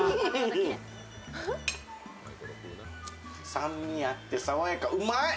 酸味あって爽やか、うまい！